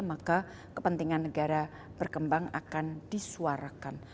maka kepentingan negara berkembang akan disuarakan